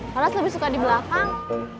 harus lebih suka di belakang